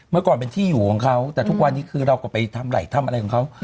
เมื่อก่อนเป็นที่อยู่ของเขาแต่ทุกวันนี้คือเราก็ไปทำไหล่ทำอะไรของเขา